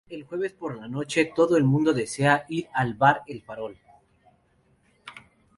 El jueves por la noche, todo el mundo desea ir al Bar "El Farol".